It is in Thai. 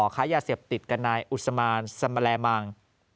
ค้ายาเสพติดกับนายอุศมานสมแลมัง